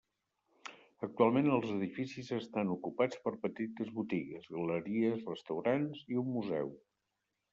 Actualment els edificis estan ocupats per petites botigues, galeries, restaurants i un museu.